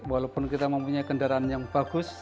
walaupun kita mempunyai kendaraan yang bagus